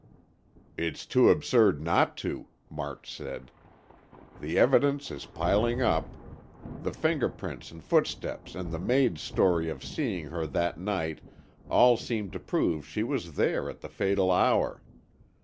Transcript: "It's too absurd not to," March said. "The evidence is piling up. The fingerprints and footsteps and the maid's story of seeing her that night all seem to prove she was there at the fatal hour.